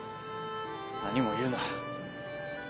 何も言うな。